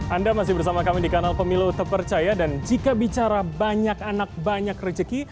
anda masih bersama kami di kanal pemilu tepercaya dan jika bicara banyak anak banyak rejeki